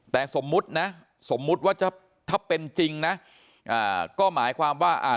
แต่สมมุตินะสมมุติว่าถ้าถ้าเป็นจริงนะอ่าก็หมายความว่าอ่า